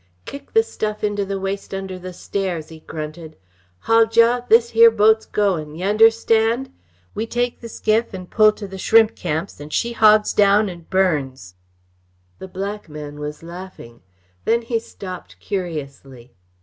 "Kick the stuff into the waste under the stairs," he grunted. "Hogjaw, this here boat's goin' yeh understand? We take the skiff and pull to the shrimp camps, and she hogs down and burns " The black man was laughing. Then he stopped curiously.